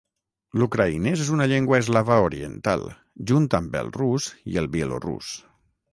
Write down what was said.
L'ucraïnès és una llengua eslava oriental, junt amb el rus i el bielorús.